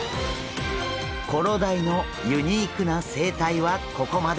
コロダイのユニークな生態はここまで！